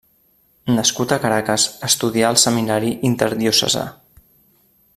Nascut a Caracas, estudià al seminari interdiocesà.